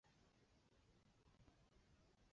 水黾以极快的速度在水面上滑行以捕捉猎物。